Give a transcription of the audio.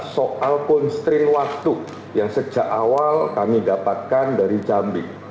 soal konstril waktu yang sejak awal kami dapatkan dari jambi